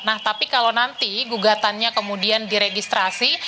nah tapi kalau nanti gugatannya kemudian diregistrasi